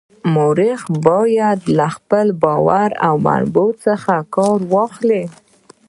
مورخ باید له باوري منابعو څخه کار واخلي.